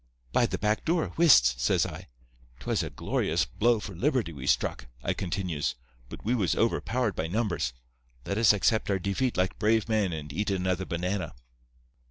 "'By the back door—whist!' says I. ''Twas a glorious blow for liberty we struck,' I continues; 'but we was overpowered by numbers. Let us accept our defeat like brave men and eat another banana.